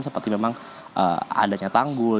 seperti memang adanya tanggul